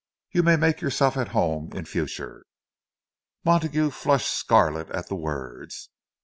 You may make yourself at home in future." Montague flushed scarlet at the words.